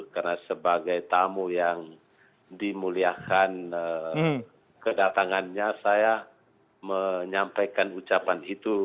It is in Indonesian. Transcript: karena sebagai tamu yang dimuliakan kedatangannya saya menyampaikan ucapan itu